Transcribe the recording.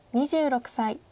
２６歳。